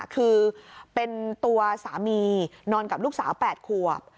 คือเป็นตัวสามีนอนกับลูกสาว๘ขวบ